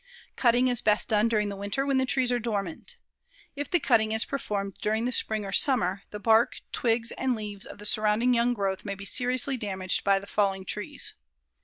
Cutting is best done during the winter when the trees are dormant. If the cutting is performed during the spring or summer, the bark, twigs and leaves of the surrounding young growth may be seriously damaged by the falling trees.